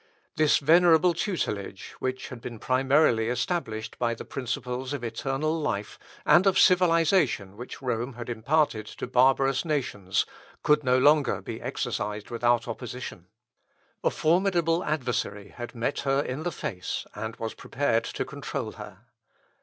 This venerable tutelage, which had been primarily established by the principles of eternal life, and of civilisation which Rome had imparted to barbarous nations, could no longer be exercised without opposition. A formidable adversary had met her in the face, and was prepared to control her.